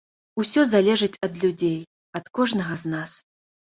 Усё залежыць ад людзей, ад кожнага з нас.